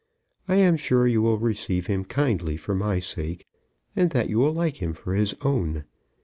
I am sure you will receive him kindly for my sake, and that you will like him for his own.